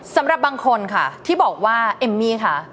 สำหรับบางคนค่ะที่บอกว่าเอมมี่ค่ะ